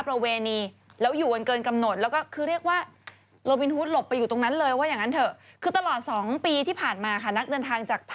เพิ่มขึ้น๙๕ใช้คำว่า๙๕เลยนะ